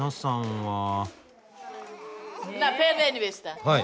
はい。